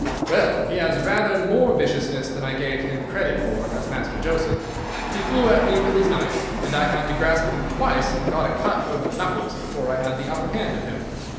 "Well, he has rather more viciousness than I gave him credit for, has Master Joseph. He flew at me with his knife, and I had to grasp him twice, and got a cut over the knuckles, before I had the upper hand of him.